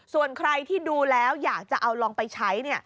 ส่วนใครที่ดูแล้วอยากจะเอาลองไปใช้